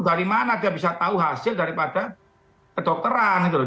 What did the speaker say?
dari mana dia bisa tahu hasil daripada kedokteran gitu loh